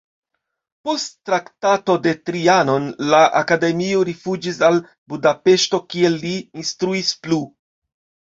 Post Traktato de Trianon la akademio rifuĝis al Budapeŝto, kie li instruis plu.